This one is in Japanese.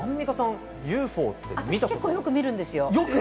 私、結構よく見るんですよ。